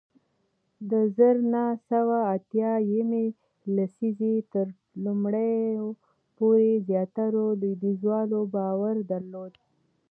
د زر نه سوه اتیا یمې لسیزې تر لومړیو پورې زیاترو لوېدیځوالو باور درلود